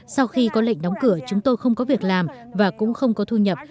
sau khi có lệnh đóng cửa chúng tôi không có việc làm và cũng không có thu nhập